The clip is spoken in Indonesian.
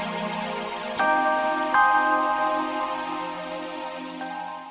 lumayan satu juta